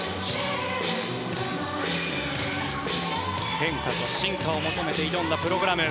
変化と進化を求めて挑んだプログラム。